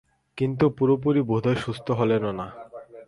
কিন্তু পুরোপুরি বোধহয় সুস্থ হলেনও না।